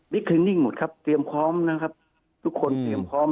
พรีเลนิ่งหมดครับเตรียมพร้อมนะครับทุกคนเองพร้อม